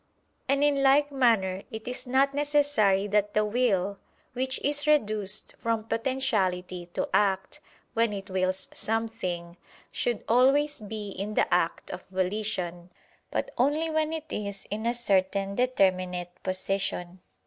] And in like manner it is not necessary that the will (which is reduced from potentiality to act, when it wills something), should always be in the act of volition; but only when it is in a certain determinate disposition.